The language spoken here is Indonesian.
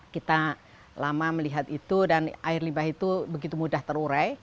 kita lama melihat itu dan air limbah itu begitu mudah terurai